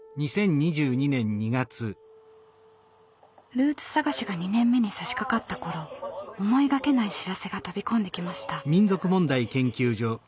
ルーツ探しが２年目にさしかかった頃思いがけない知らせが飛び込んできました。